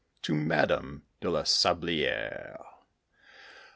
TO MADAME DE LA SABLIÈRE.